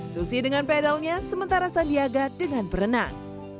susi dengan pedalnya sementara sandiaga dengan berenang